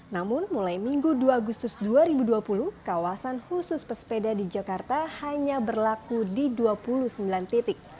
namun mulai minggu dua agustus dua ribu dua puluh kawasan khusus pesepeda di jakarta hanya berlaku di dua puluh sembilan titik